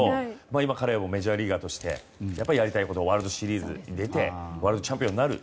今、彼もメジャーリーガーとしてワールドシリーズに出てワールドチャンピオンになる。